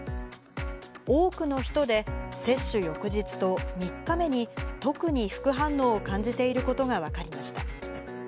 多くの人で接種翌日と３日目に、特に副反応を感じていることが分かりました。